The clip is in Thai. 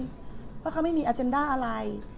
เพราะเขาไม่มีอาเจนด้าอะไร